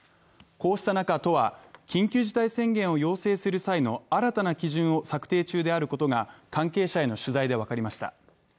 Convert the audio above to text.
こうした中、都は緊急事態宣言を要請する際の新たな基準を策定中であることが関係者への取材で分かりました。